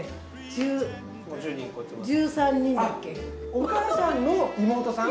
お母さんの妹さん？